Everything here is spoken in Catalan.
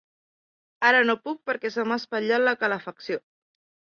Ara no puc perquè se m'ha espatllat la calefacció.